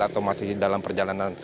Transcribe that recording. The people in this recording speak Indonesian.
atau masih dalam perjalanan